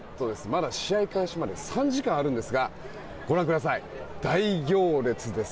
まだ試合開始まで３時間あるんですがご覧ください、大行列です。